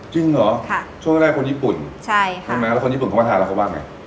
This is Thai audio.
จริงเหรอช่วงแรกคนญี่ปุ่นใช่ค่ะใช่ไหมแล้วคนญี่ปุ่นเขามาทานแล้วเขาว่าไง